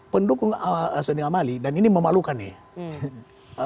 pendukung asyik amali dan ini memalukannya